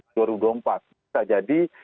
dua ribu dua puluh empat bisa jadi